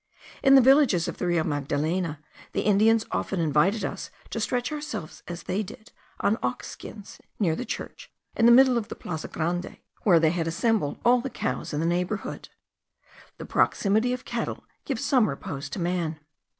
In the villages of the Rio Magdalena the Indians often invited us to stretch ourselves as they did on ox skins, near the church, in the middle of the plaza grande, where they had assembled all the cows in the neighbourhood. The proximity of cattle gives some repose to man.